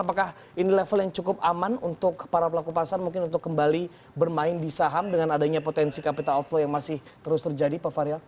apakah ini level yang cukup aman untuk para pelaku pasar mungkin untuk kembali bermain di saham dengan adanya potensi capital of law yang masih terus terjadi pak fahrial